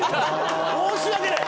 申し訳ない！